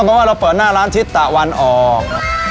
เพราะว่าเราเปิดหน้าร้านทิศตะวันออก